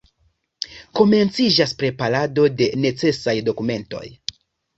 Komenciĝas preparado de necesaj dokumentoj.